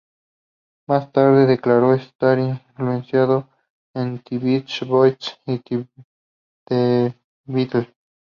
Más tarde declaró estar influenciado en The Beach Boys y The Beatles.